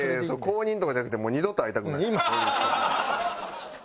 公認とかじゃなくてもう二度と会いたくない堀口さんに。